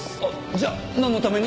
じゃあなんのために？